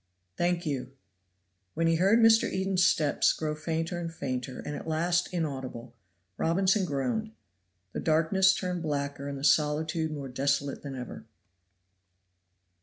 "Thank you." When he heard Mr. Eden's steps grow fainter and fainter, and at last inaudible, Robinson groaned; the darkness turned blacker and the solitude more desolate than ever.